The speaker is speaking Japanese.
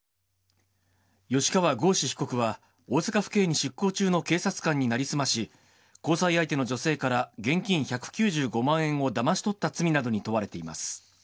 吉川剛司被告は、大阪府警に出向中の警察官に成り済まし、交際相手の女性から現金１９５万円をだまし取った罪などに問われています。